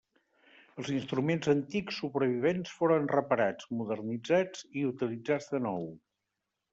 Els instruments antics supervivents foren reparats, modernitzats i utilitzats de nou.